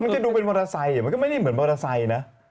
มันก็ดูเป็นมอเตอร์ไซค์มากยากออกมันก็ไม่เหมือนมอเตอร์ไซค์นะ